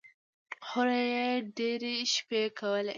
هورې يې ډېرې شپې کولې.